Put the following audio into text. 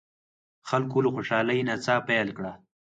خلکو له خوشالۍ نڅا پیل کړه.